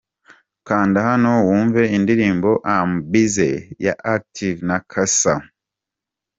Kanda hano wumve indirimbo 'Am busy' ya Active na Cassa.